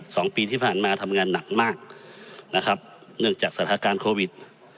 สองปีที่ผ่านมาทำงานหนักมากนะครับเนื่องจากสถานการณ์โควิด